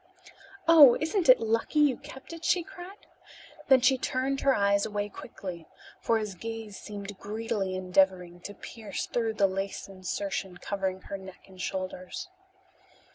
"Oh, isn't it lucky you kept it?" she cried. Then she turned her eyes away quickly, for his gaze seemed greedily endeavoring to pierce through the lace insertion covering her neck and shoulders.